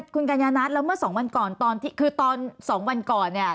คุณกัญญานัทแล้วเมื่อสองวันก่อนตอนที่คือตอน๒วันก่อนเนี่ย